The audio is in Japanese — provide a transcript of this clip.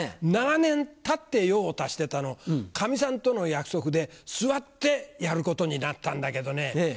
長年立って用を足してたのをかみさんとの約束で座ってやることになったんだけどね